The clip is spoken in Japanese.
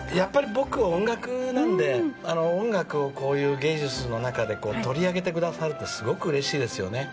僕は音楽なので音楽をこういう芸術の中で取り上げてくださるってすごくうれしいですよね。